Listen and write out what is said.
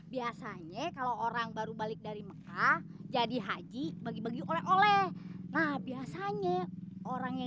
biasanya kalau orang baru balik dari mekah jadi haji bagi bagi oleh oleh nah biasanya orang yang